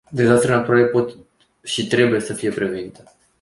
Dezastrele naturale pot și trebuie să fie prevenite.